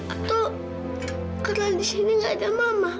atau karena di sini gak ada mama